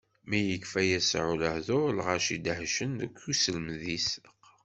Mi yekfa Yasuɛ lehduṛ, lɣaci dehcen deg uselmed-is.